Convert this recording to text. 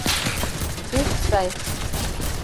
— Пеш сай...